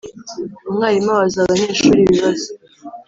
Umwarimu abaza abanyeshuri ibibazo